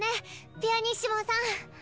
ピアニッシモさん。